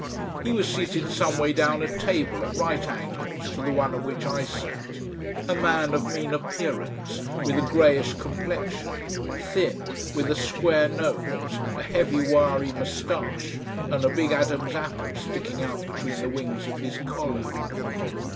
He was seated some way down a table at right angles to the one at which I sat, a man of mean appearance with a greyish complexion, thin, with a square nose, a heavy wiry moustache and a big Adam's apple sticking out between the wings of his collar.